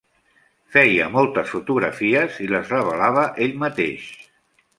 Feia moltes fotografies i les revelava ell mateix.